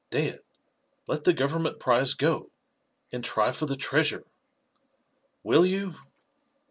Dad, let the Government prize go, and try for the treasure. Will you?"